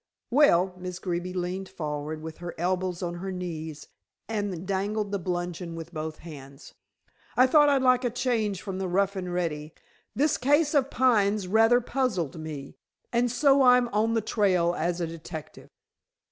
"Well," Miss Greeby leaned forward with her elbows on her knees, and dandled the bludgeon with both hands. "I thought I'd like a change from the rough and ready. This case of Pine's rather puzzled me, and so I'm on the trail as a detective."